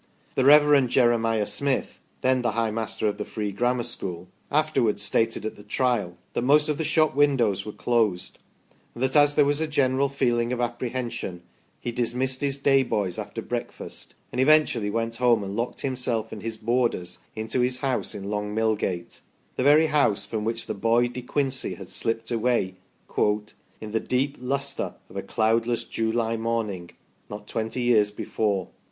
The Rev. Jeremiah Smith, then the High Master of the Free Grammar School, afterwards stated at the Trial that most of the shop windows were closed, and that as there was a general feeling of apprehension, he dis missed his day boys after breakfast, and eventually went home and locked himself and his boarders into his house in Long Millgate the very house from which the boy De Quincey had slipped away " in the deep lustre of a cloudless July morning," not twenty years before.